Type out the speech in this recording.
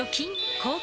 抗菌！